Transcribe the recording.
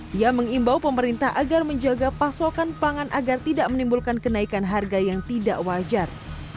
dia mengimbau pemerintah agar menjaga pasokan pangan agar tidak menimbulkan kenaikan harga yang tidak wajar